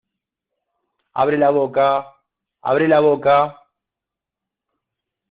abre la boca. abre la boca .